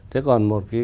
thế còn một cái